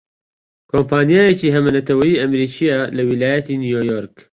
کۆمپانیایەکی هەمەنەتەوەیی ئەمریکییە لە ویلایەتی نیویۆرک